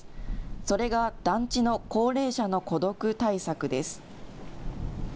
それが団地の高齢者の孤独対策です。